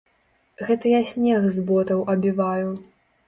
Гэта я снег з ботаў абіваю.